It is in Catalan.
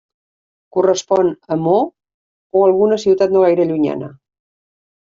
Correspon a Meaux o alguna ciutat no gaire llunyana.